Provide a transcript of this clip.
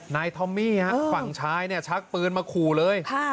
ทอมมี่ฝั่งชายเนี่ยชักปืนมาขู่เลย